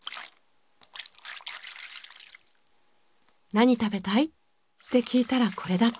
何食べたい？って聞いたらこれだった。